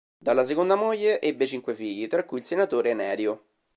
Dalla seconda moglie ebbe cinque figli, tra cui il senatore Nerio.